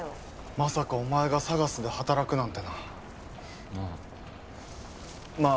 まさかお前がＳＡＧＡＳで働くなんてなああまあ